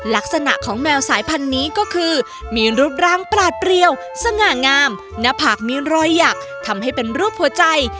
ลักษณะของแมวสายพันธุ์นี้ก็คือมีรูปร่างปลาดเปรียวสง่างามหน้าผากมีรอยหยักทำให้เป็นรูปหัวใจ